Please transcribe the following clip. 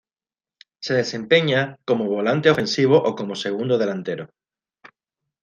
Se desempeña como volante ofensivo o como segundo delantero.